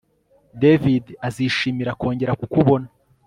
David azishimira kongera kukubona